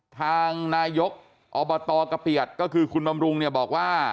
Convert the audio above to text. ทางนายกอบตกะเปียดก็คือคุณบำรุงเนี่ยบอกว่า